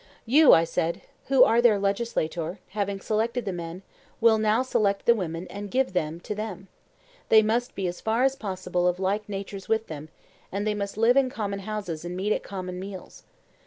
You, I said, who are their legislator, having selected the men, will now select the women and give them to them;—they must be as far as possible of like natures with them; and they must live in common houses and meet at common meals.